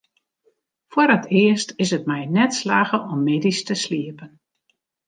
Foar it earst is it my net slagge om middeis te sliepen.